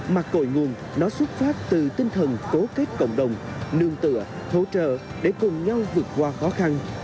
mà cội nguồn nó xuất phát từ tinh thần cố kết cộng đồng nương tựa hỗ trợ để cùng nhau vượt qua khó khăn